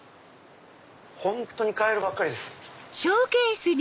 本当にカエルばっかりです。